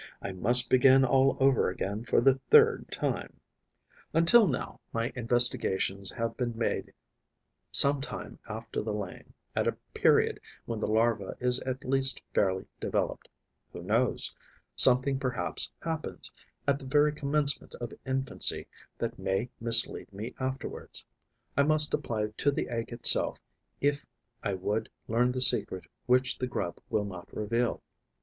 I must begin all over again for the third time. Until now, my investigations have been made some time after the laying, at a period when the larva is at least fairly developed. Who knows? Something perhaps happens, at the very commencement of infancy, that may mislead me afterwards. I must apply to the egg itself if I would learn the secret which the grub will not reveal.